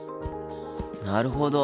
なるほど。